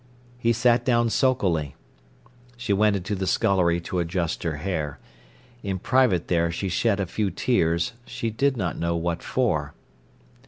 He sat down sulkily. She went into the scullery to adjust her hair. In private there she shed a few tears, she did not know what for.